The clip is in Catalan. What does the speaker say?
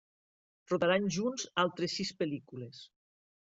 Rodaran junts altres sis pel·lícules.